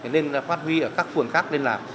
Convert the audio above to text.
nên phát huy ở các phường khác lên làm